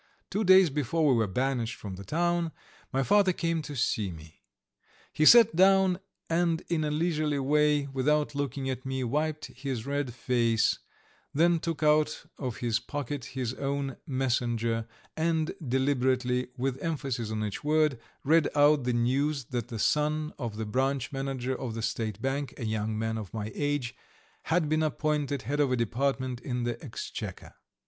Two days before we were "banished" from the town my father came to see me. He sat down and in a leisurely way, without looking at me, wiped his red face, then took out of his pocket our town Messenger, and deliberately, with emphasis on each word, read out the news that the son of the branch manager of the State Bank, a young man of my age, had been appointed head of a Department in the Exchequer.